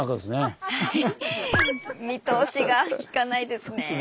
見通しがきかないですね。